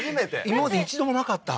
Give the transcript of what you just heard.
今まで一度もなかった？